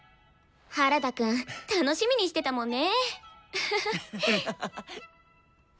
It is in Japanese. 原田くん楽しみにしてたもんね。